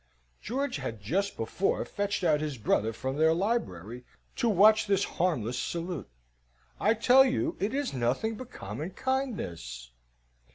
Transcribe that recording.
(George had just before fetched out his brother from their library, to watch this harmless salute.) "I tell you it is nothing but common kindness."